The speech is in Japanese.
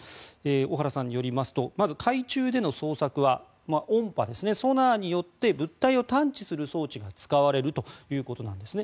小原さんによりますとまず海中での捜索は音波、ソナーによって物体を探知する装置が使われるということなんですね。